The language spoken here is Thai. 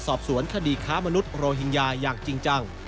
สอบสวนคดีค้ามนุษย์โรฮิงญาอย่างจริงจัง